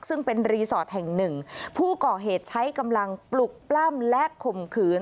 ซึ่งเป็นรีสอร์ทแห่งหนึ่งผู้ก่อเหตุใช้กำลังปลุกปล้ำและข่มขืน